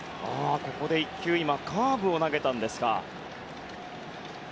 ここで１球カーブを投げたんですか。